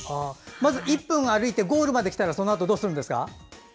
まず、１分歩いてゴールまで来たらそのあとどうするんですか？